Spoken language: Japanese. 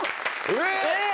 えっ！